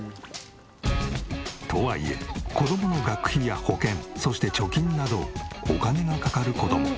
とはいえ子供の学費や保険そして貯金などお金がかかる事も。